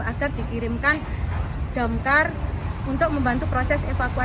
agar dikirimkan damkar untuk membantu proses evakuasi